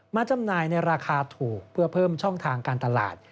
จำหน่ายในราคาถูกเพื่อเพิ่มช่องทางการตลาด